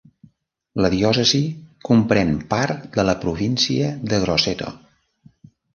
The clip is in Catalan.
La diòcesi comprèn part de la província de Grosseto.